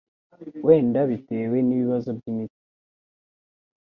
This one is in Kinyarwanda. wenda bitewe n'ibibazo by'imitsi